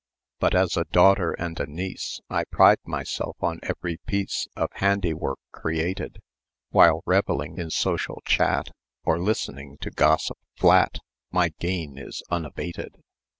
"But as a daughter and a niece, I pride myself on every piece Of handiwork created; While reveling in social chat, Or listening to gossip flat, My gain is unabated.